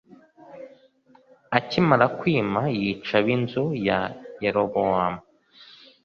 Akimara kwima yica ab inzu ya Yerobowamu